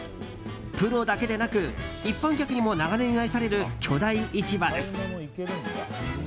プロだけでなく一般客にも長年、愛される巨大市場です。